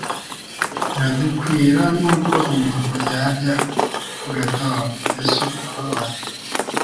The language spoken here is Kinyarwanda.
ntiyadukwira nubwo umuntu yarya gatol." Yesu arababara.